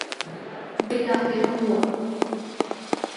بالآخر ہوا۔